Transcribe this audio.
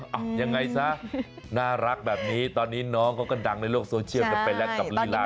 อ้าวยังไงซะน่ารักแบบนี้ตอนนี้น้องเขาก็ดังในโลกโซเชียล